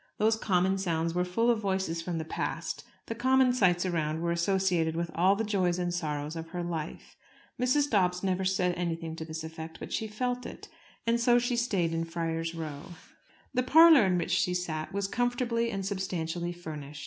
Those common sounds were full of voices from the past: the common sights around were associated with all the joys and sorrows of her life. Mrs. Dobbs never said anything to this effect, but she felt it. And so she stayed in Friar's Row. The parlour in which she sat was comfortably and substantially furnished.